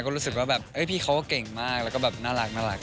ก็รู้สึกว่าแบบพี่เขาก็เก่งมากแล้วก็แบบน่ารัก